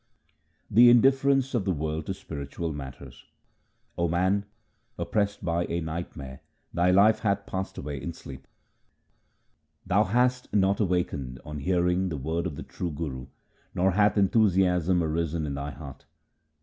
The indifference of the world to spiritual matters: — O man, oppressed by a nightmare thy life hath passed away in sleep. 224 THE SIKH RELIGION Thou hast not awakened on hearing the word of the true Guru, nor hath enthusiasm arisen in thy heart.